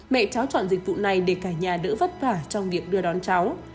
mẹ cháu chọn dịch vụ này để cả nhà đỡ vất vả trong việc đưa đón cháu